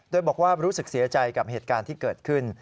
โดยบอกว่ารู้สึกเสียใจกับเหตุการณ์ที่เกิดขึ้น